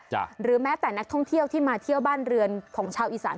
หรือแม้แต่นักท่องเที่ยวที่มาเที่ยวบ้านเรือนของชาวอีสาน